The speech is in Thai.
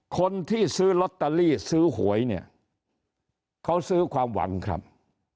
คนที่ซื้อลอตเตอรี่ซื้อหวยเนี่ยเขาซื้อความหวังครับ